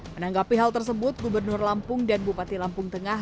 menanggapi hal tersebut gubernur lampung dan bupati lampung tengah